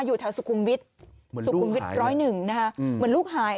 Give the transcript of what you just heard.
อยู่ทางสุขุมวิทย์๑๐๑นะคะเหมือนลูกหาย